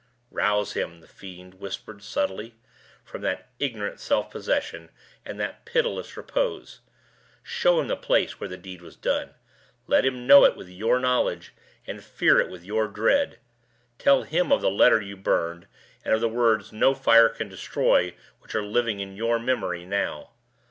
"Rouse him," the fiend whispered, subtly, "from that ignorant self possession and that pitiless repose. Show him the place where the deed was done; let him know it with your knowledge, and fear it with your dread. Tell him of the letter you burned, and of the words no fire can destroy which are living in your memory now.